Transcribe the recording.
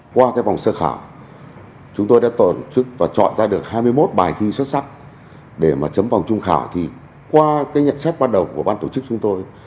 qua cái vòng sơ khảo chúng tôi đã tổ chức và chọn ra được hai mươi một bài thi xuất sắc để mà chấm vòng trung khảo thì qua cái nhận xét ban đầu của ban tổ chức chúng tôi